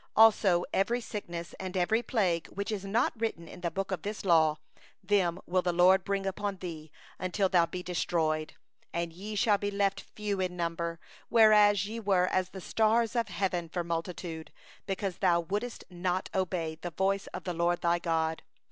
61Also every sickness, and every plague, which is not written in the book of this law, them will the LORD bring upon thee, until thou be destroyed. 62And ye shall be left few in number, whereas ye were as the stars of heaven for multitude; because thou didst not hearken unto the voice of the LORD thy God.